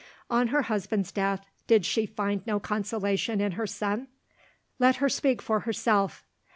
On her husband's death, did she find no consolation in her son? Let her speak for herself.